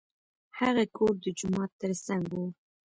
هغه کور د جومات تر څنګ و.